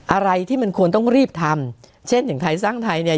อะไรที่มันควรต้องรีบทำเช่นอย่างไทยสร้างไทยเนี่ย